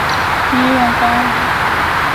医院官网